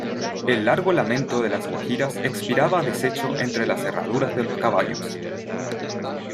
el largo lamento de las guajiras expiraba deshecho entre las herraduras de los caballos.